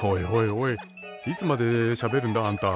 おいいつまでしゃべるんだあんた。